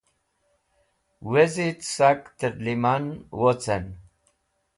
Wezit sak tẽrlẽman wocẽn